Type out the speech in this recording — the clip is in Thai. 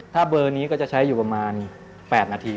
ถ้าเบอร์นี้ก็จะใช้อยู่ประมาณ๘นาที